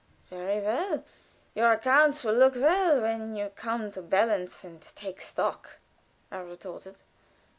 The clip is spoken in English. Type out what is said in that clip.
"Very well. Your accounts will look well when you come to balance and take stock," I retorted.